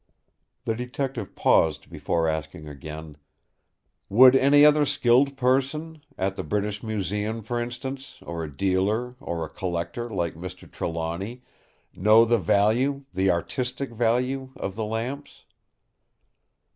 The Detective paused before asking again: "Would any other skilled person—at the British Museum, for instance, or a dealer, or a collector like Mr. Trelawny, know the value—the artistic value—of the lamps?"